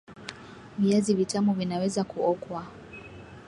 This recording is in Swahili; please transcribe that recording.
Viazi vitamu vinaweza kuokwa